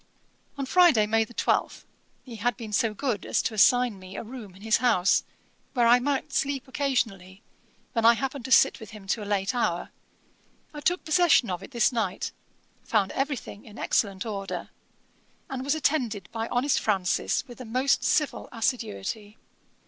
On Friday, May 12, as he had been so good as to assign me a room in his house, where I might sleep occasionally, when I happened to sit with him to a late hour, I took possession of it this night, found every thing in excellent order, and was attended by honest Francis with a most civil assiduity.